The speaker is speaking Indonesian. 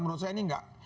menurut saya ini enggak